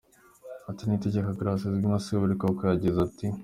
Aha Niyitegeka Gratien uzwi nka Seburikoko yagize ati:.